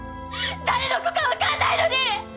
誰の子かわかんないのに！